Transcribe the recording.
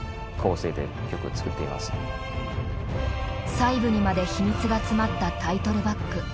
細部にまで秘密が詰まったタイトルバック。